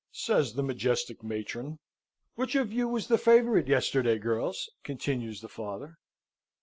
says the majestic matron. "Which of you was the favourite yesterday, girls?" continues the father.